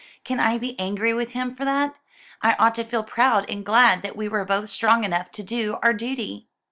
"Can I be angry with him for that? I ought to feel proud and glad that we were both strong enough to do our duty."